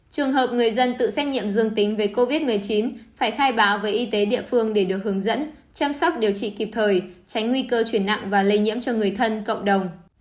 trường hợp người dân tự xét nghiệm dương tính với covid một mươi chín phải khai báo với y tế địa phương để được hướng dẫn chăm sóc điều trị kịp thời tránh nguy cơ chuyển nặng và lây nhiễm cho người thân cộng đồng